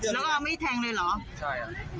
แล้วก็ไม่แทงเลยหรอ